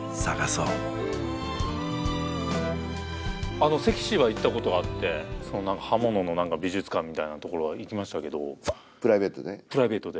あの関市は行ったことがあって刃物の美術館みたいな所は行きましたけどプライベートで？